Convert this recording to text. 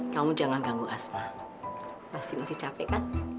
kamu jangan ganggu asma masih masih capek kan